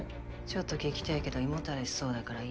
ちょっと聞きてぇけど胃もたれしそうだからいいや。